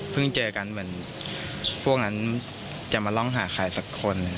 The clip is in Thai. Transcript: เจอกันเหมือนพวกนั้นจะมาล่องหาใครสักคน